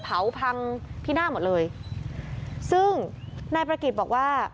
เผาพังที่หน้าหมดเลยซึ่งนายประกิจบอกว่า